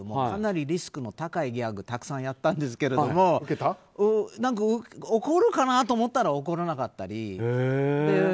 かなりリスクの高いギャグもたくさんやったんですけど怒るかなと思ったら怒らなかったり。